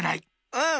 うん！